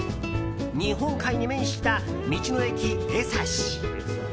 日本海に面した道の駅えさし。